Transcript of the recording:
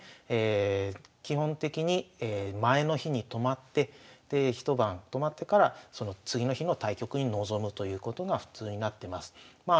基本的に前の日に泊まってで一晩泊まってからその次の日の対局に臨むということが普通になってます。